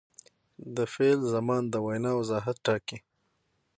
د فعل زمان د وینا وضاحت ټاکي.